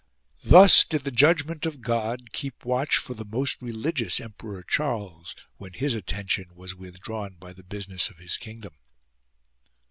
Thus did the judgment of God keep watch for the most re ligious Emperor Charles, when his attention was withdrawn by the business of his kingdom.